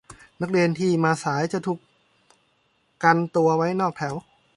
นักเรียนที่มาสายจะถูกกันตัวไว้นอกแถว